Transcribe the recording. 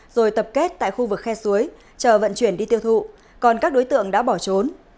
rồi tập kết tại khu vực khe suối chờ vận chuyển đi tiêu thụ còn các đối tượng đã bỏ trốn